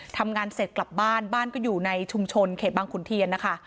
ทำงานเสร็จกลับบ้านบ้านก็อยู่ในชุมชนเขตบางขุนเทียนนะคะ